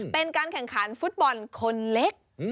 เป็นการแข่งขันฟุตบอลคนเล็ก